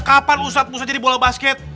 kenapa ustadz musa jadi bola basket